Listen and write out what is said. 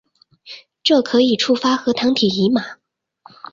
这可以触发核糖体移码。